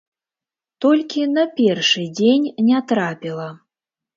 Толькі на першы дзень не трапіла.